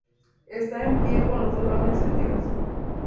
Está en pie con los dos brazos extendidos.